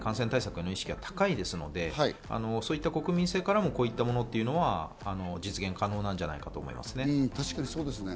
日本人の多くがかなり感染対策の意識が高いですので、そういった国民性からもこういったものというのは実現可能なんじゃないかと思いますね。